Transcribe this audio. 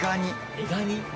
エガニ？